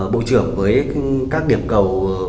bộ trưởng với các điểm cầu